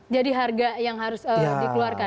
jadi harga yang harus dikeluarkan